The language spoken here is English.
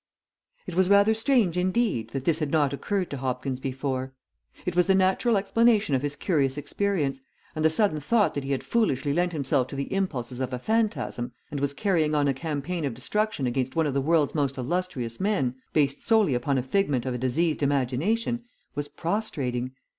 It was rather strange, indeed, that this had not occurred to Hopkins before. It was the natural explanation of his curious experience, and the sudden thought that he had foolishly lent himself to the impulses of a phantasm, and was carrying on a campaign of destruction against one of the world's most illustrious men, based solely upon a figment of a diseased imagination, was prostrating.